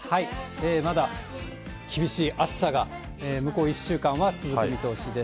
まだ厳しい暑さが向こう１週間は続く見通しです。